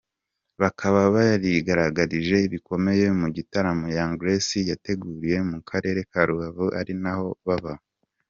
Bakaba barigaragarije bikomeye mu gitaramo Young Grace yateguriye mu karere ka Rubavu arinaho baba.